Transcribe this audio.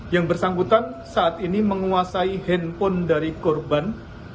yang bersangkutan saat ini menguasai handphone dari korban